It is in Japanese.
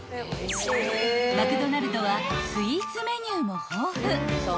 ［マクドナルドはスイーツメニューも豊富］